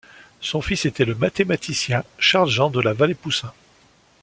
Son fils était le mathématicien Charles-Jean de la Vallée-Poussin.